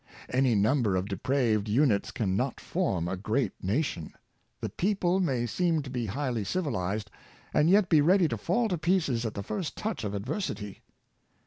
Any number of depraved units can not form a great nation. The people may seem to be highly civilized, and yet be ready to fall to pieces at the first touch of adversity.